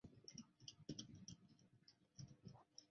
巴德夫兰肯豪森是德国图林根州的一个市镇。